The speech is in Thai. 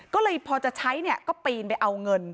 ก็เลยพอจะใช้เนี่ยก็ปีนไปเอาเงิน